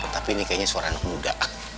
tapi ini kayaknya seorang anak muda